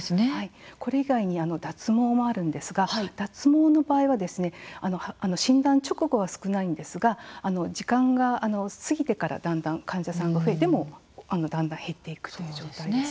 これ以外に脱毛もあるんですが脱毛の場合は診断直後は少ないんですが時間が過ぎてからだんだん患者さんが増えてだんだん減っていくという状態です。